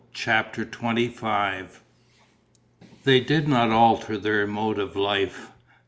CHAPTER XXV They did not alter their mode of life.